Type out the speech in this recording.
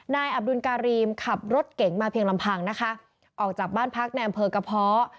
อับดุลการีมขับรถเก๋งมาเพียงลำพังนะคะออกจากบ้านพักในอำเภอกระเพาะ